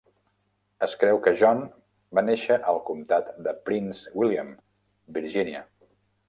Es creu que John va néixer al comtat de Prince William, Virgínia.